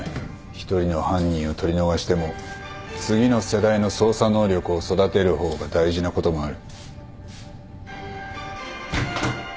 一人の犯人を取り逃しても次の世代の捜査能力を育てる方が大事なこともある。